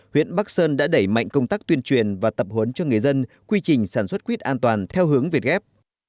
huyện bắc sơn đã đẩy mạnh công tác tuyên truyền và tập huấn cho người dân quy trình sản xuất quýt an toàn theo hướng việt ghép